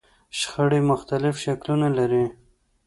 شخړې مختلف شکلونه لري.